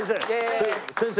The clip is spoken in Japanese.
先生。